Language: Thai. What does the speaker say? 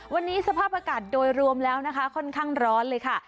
วันนี้สภาพอากาศโดยรวมแล้วนะคะค่อนข้างร้อนเลยค่ะ